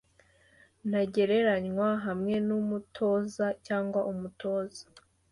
ntagereranywa hamwe n'umutoza cyangwa umutoza